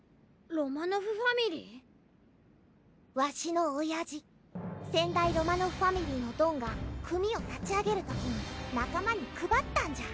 ロマノフファミリー？わしのオヤジ先代ロマノフファミリーのドンが組を立ち上げるときに仲間に配ったんじゃ。